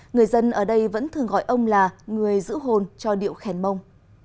người dân ở đây vẫn thường gọi ông là người giữ hồn cho điệu khen mông